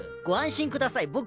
ご安心ください。